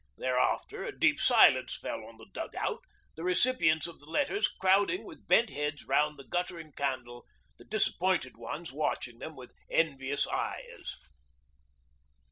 Thereafter a deep silence fell on the dug out, the recipients of letters crowding with bent heads round the guttering candle, the disappointed ones watching them with envious eyes.